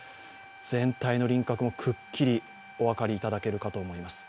全体の輪郭もくっきりお分かりいただけるかと思います。